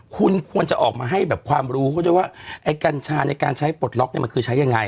คุณควรจะออกมาให้แบบความรู้เขาด้วยว่าไอ้กัญชาในการใช้ปลดล็อกเนี่ยมันคือใช้ยังไง